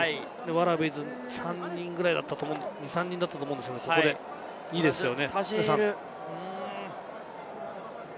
ワラビーズ３人ぐらいだったと思うんですけれども、ここで２ですよね。